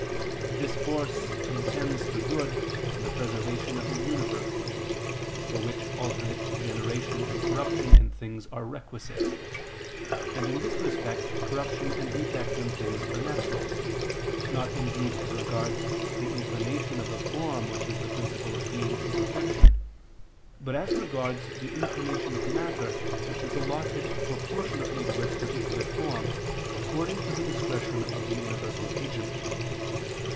This force intends the good and the preservation of the universe, for which alternate generation and corruption in things are requisite: and in this respect corruption and defect in things are natural, not indeed as regards the inclination of the form which is the principle of being and perfection, but as regards the inclination of matter which is allotted proportionately to its particular form according to the discretion of the universal agent.